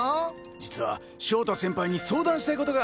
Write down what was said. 実は翔太先輩に相談したいことが。